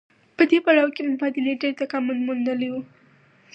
په دې پړاو کې مبادلې ډېر تکامل موندلی وو